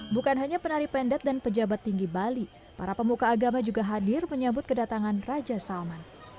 bukan hanya penari pendet dan pejabat tinggi bali para pemuka agama juga hadir menyambut kedatangan raja salman